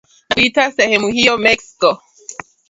na kuiita sehemu hiyo Mexico,